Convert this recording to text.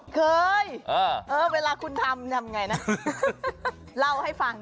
เคยเวลาคุณทำทำไงนะเล่าให้ฟัง